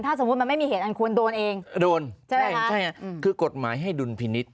ถ้าสมมุติมันไม่มีเหตุอันควรโดนเองโดนใช่ใช่คือกฎหมายให้ดุลพินิษฐ